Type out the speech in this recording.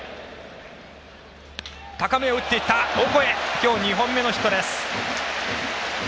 今日２本目のヒットオコエ。